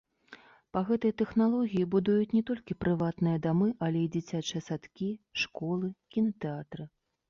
Па гэтай тэхналогіі будуюць не толькі прыватныя дамы, але і дзіцячыя садкі, школы, кінатэатры.